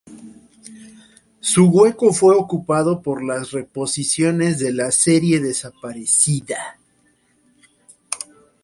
Su hueco fue ocupado por las reposiciones de la serie "Desaparecida".